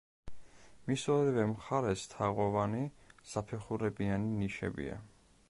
მის ორივე მხარეს თაღოვანი, საფეხურებიანი ნიშებია.